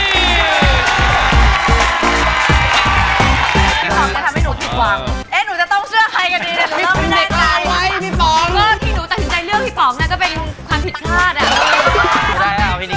พี่ป๋องจะทำให้หนูผิดหวัง